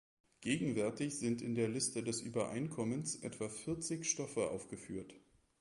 Gegenwärtig sind in der Liste des Übereinkommens etwa vierzig Stoffe aufgeführt.